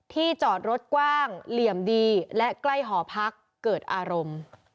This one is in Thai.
จอดรถกว้างเหลี่ยมดีและใกล้หอพักเกิดอารมณ์